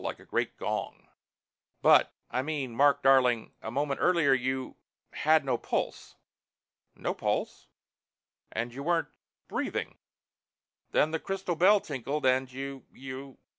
Like a great gong." "But I mean, Mark darling a moment earlier you had no pulse." "No pulse?" "And you weren't breathing. Then the crystal bell tinkled and you you...."